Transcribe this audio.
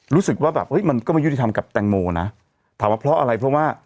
รู้สึกว่าแบบเฮ้ยมันก็ไม่ยุติธรรมกับแตงโมนะถามว่าเพราะอะไรเพราะว่า